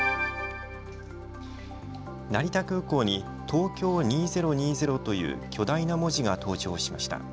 成田空港にＴＯＫＹＯ２０２０という巨大な文字が登場しました。